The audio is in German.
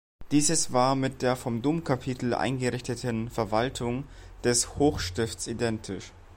Dieses war mit der vom Domkapitel eingerichteten Verwaltung des Hochstifts identisch.